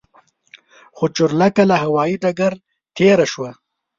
خو چورلکه له هوايي ډګر تېره شوه.